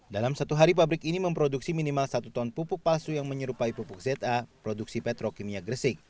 dalam satu hari pabrik ini memproduksi minimal satu ton pupuk palsu yang menyerupai pupuk za produksi petrokimia gresik